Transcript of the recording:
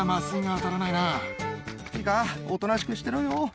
いいかおとなしくしてろよ。